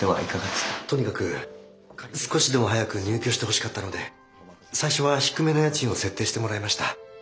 とにかく少しでも早く入居してほしかったので最初は低めの家賃を設定してもらいました。